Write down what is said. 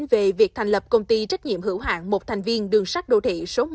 về việc thành lập công ty trách nhiệm hữu hạng một thành viên đường sắt đô thị số một